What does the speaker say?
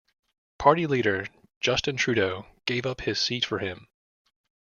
Party Leader Justin Trudeau gave up his seat for him.